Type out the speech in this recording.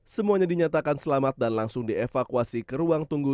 semuanya dinyatakan selamat dan langsung dievakuasi ke ruang tunggu